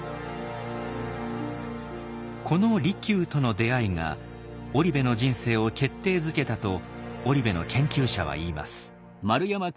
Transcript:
この利休との出会いが織部の人生を決定づけたと織部の研究者は言います。